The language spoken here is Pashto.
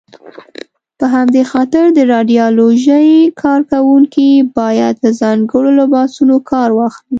په همدې خاطر د راډیالوژۍ کاروونکي باید له ځانګړو لباسونو کار واخلي.